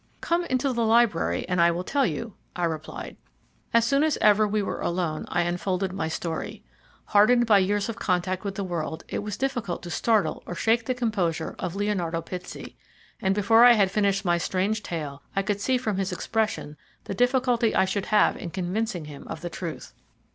"Come into the library and I will tell you," I replied. As soon as ever we were alone I unfolded my story. Hardened by years of contact with the world, it was difficult to startle or shake the composure of Leonardo Pitsey, and before I had finished my strange tale I could see from his expression the difficulty I should have in convincing him of the truth.